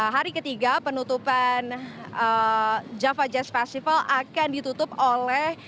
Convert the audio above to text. hari ketiga penutupan java jazz festival akan ditutup oleh